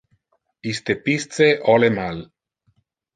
Iste pisce ole mal.